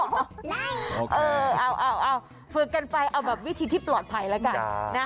ได้โอเคเอาฝึกกันไปเอาแบบวิธีที่ปลอดภัยละกันนะ